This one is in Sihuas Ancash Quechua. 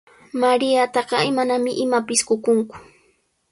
Mariataqa manami imapis qukunku.